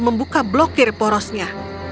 membuka blokir porosnya